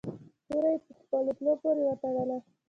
توره یې په خپلو تلو پورې و تړله.